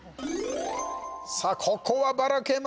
さあここはばらけましたよ。